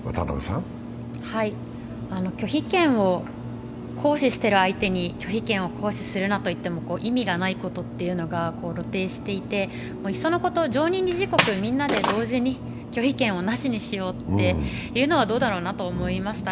拒否権を行使している相手に拒否権を行使するなと言っても意味がないことっていうのが露呈していて、いっそのこと常任理事国みんなで同時に拒否権をなしにしようというのはどうだろうと思いました。